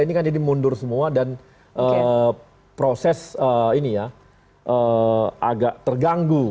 ini kan jadi mundur semua dan proses ini ya agak terganggu